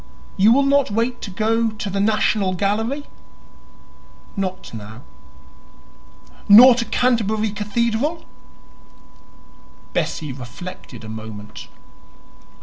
"You will not wait to go to the National Gallery?" "Not now." "Nor to Canterbury Cathedral?" Bessie reflected a moment.